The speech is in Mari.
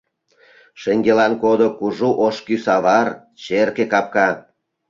Шеҥгелан кодо кужу ош кӱ савар, черке капка.